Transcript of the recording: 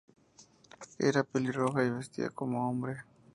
Era pelirroja y vestía como hombre.